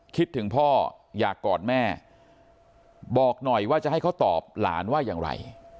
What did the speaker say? คิดถึงพ่ออยากกอดแม่บอกหน่อยว่าจะให้เขาตอบหลานว่าอย่างไร